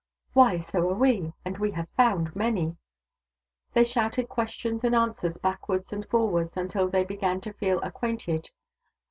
" Why, so are we, and we have found many." They shouted questions and answers backwards and forwards, until they began to feel acquainted.